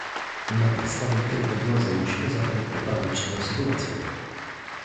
Na podstawie tej diagnozy musimy zatem poprawić tę sytuację